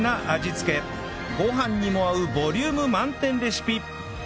ご飯にも合うボリューム満点レシピ